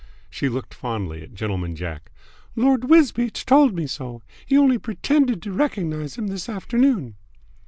She looked fondly at Gentleman Jack. "Lord Wisbeach told me so. He only pretended to recognise him this afternoon."